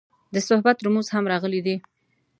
د صحبت رموز هم راغلي دي.